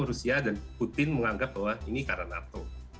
rusia dan putin menganggap bahwa ini karena nato